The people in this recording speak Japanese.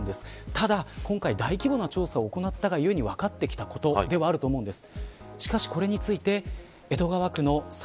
ただ今回、大規模な調査を行ったがゆえに分ってきたことでもあると思うんです。